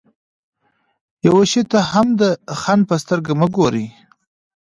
يوه شي ته هم د خنډ په سترګه مه ګورئ.